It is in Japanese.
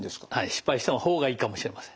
失敗しても方がいいかもしれません。